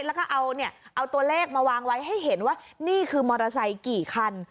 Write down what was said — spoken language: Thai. แล้วก็เอาเนี่ยเอาตัวเลขมาวางไว้ให้เห็นว่านี่คือมอเตอร์ไซค์กี่คัน